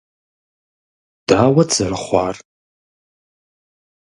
Дауэт зэрызхъуар?